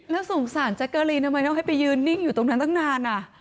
แล้วสงสารแจ๊กเกอรีนทำไมต้องให้ไปยืนนิ่งอยู่ตรงนั้นตั้งนานอ่ะ